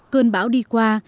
cơn bão đi qua